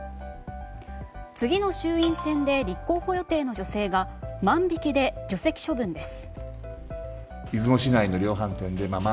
次の衆院選で立候補予定の女性が万引きで除籍処分です。